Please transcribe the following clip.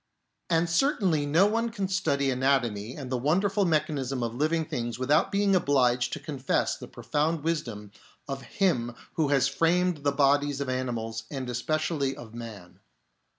And certainly no one can study anatomy and the wonderful mechanism of living things without being obliged to confess the pro found wisdom of Him Who has framed the bodies of animals and especially of man.